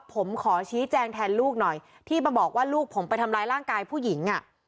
ผมขอชี้แจงแทนลูกหน่อยที่มาบอกว่าลูกผมไปทำร้ายร่างกายผู้หญิง